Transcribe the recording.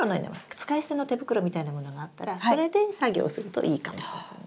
使い捨ての手袋みたいなものがあったらそれで作業をするといいかもしれませんね。